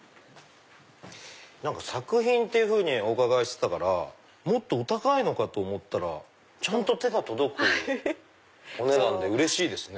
作品ってお伺いしてたからもっとお高いのかと思ったらちゃんと手が届くお値段でうれしいですね。